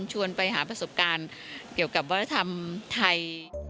ชวนไปหาประสบการณ์เกี่ยวกับวัฒนธรรมไทย